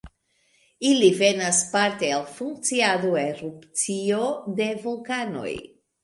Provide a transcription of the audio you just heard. Ili venas parte el funkciado, erupcio de vulkanoj.